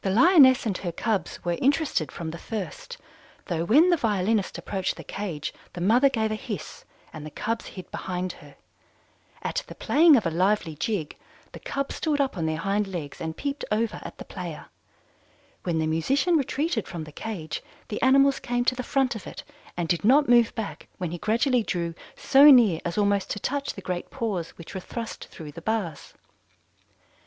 "The Lioness and her cubs were interested from the first, though when the violinist approached the cage the mother gave a hiss, and the cubs hid behind her. At the playing of a lively jig, the cubs stood up on their hind legs and peeped over at the player. When the musician retreated from the cage, the animals came to the front of it and did not move back when he gradually drew so near as almost to touch the great paws which were thrust through the bars.